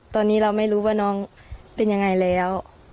ตอนนี้เราไม่รู้ว่าน้องเป็นยังไงแล้ว